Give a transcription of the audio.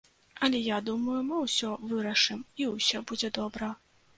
Але я думаю, мы ўсё вырашым, і ўсё будзе добра.